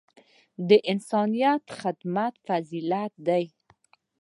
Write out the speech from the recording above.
د انسانیت خدمت فضیلت دی.